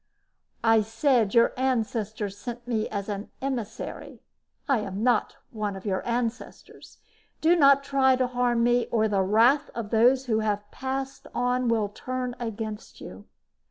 "I said your ancestors sent me as emissary I am not one of your ancestors. Do not try to harm me or the wrath of those who have Passed On will turn against you."